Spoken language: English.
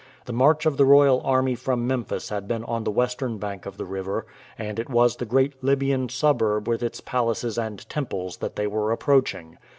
The march of the royal army from Memphis had been on the western bank of the river, and it was the great Libyan suburb with its palaces and temples that they were approaching.